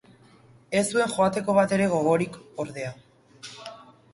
Ez zuen joateko batere gogorik, ordea.